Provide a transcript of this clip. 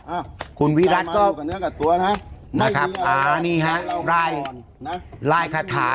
อ้าวคุณวิรัติก็ตัวนะฮะนะครับอ่านี่ฮะลายลายคาถา